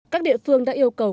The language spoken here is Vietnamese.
các địa phương đã yêu cầu